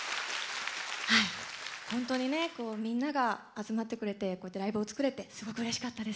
本当にねみんなが集まってくれてこうやってライブを作れてすごくうれしかったです。